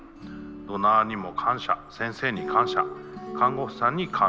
ドナーにも感謝先生に感謝看護婦さんに感謝。